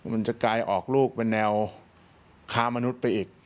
มันจะกลายออกลูกเป็นแนวค้ามนุษย์ไปอีก